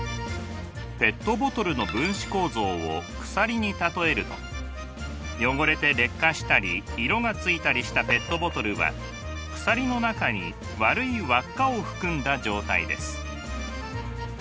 ペットボトルの分子構造を鎖に例えると汚れて劣化したり色がついたりしたペットボトルは鎖の中に悪い輪っかを含んだ状態です。